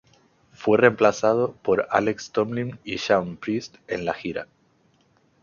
Fue reemplazado por Alex Tomlin y Shawn Priest en la gira.